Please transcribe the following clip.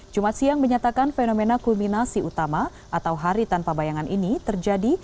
jumat siang menyatakan fenomena kulminasi utama atau hari tanpa bayangan ini terjadi